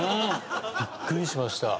びっくりしました。